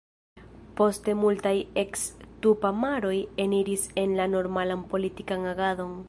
Poste multaj eks-tupamaroj eniris en la normalan politikan agadon.